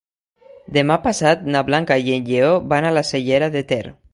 Demà passat na Blanca i en Lleó van a la Cellera de Ter.